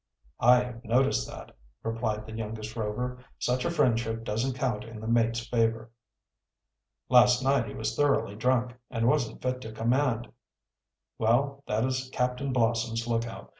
"I have noticed that," replied the youngest Rover. "Such a friendship doesn't count in the mate's favor." "Last night he was thoroughly drunk, and wasn't fit to command." "Well, that is Captain Blossom's lookout.